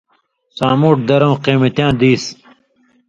سامُوٹھ درؤں قَیمتیاں دِیس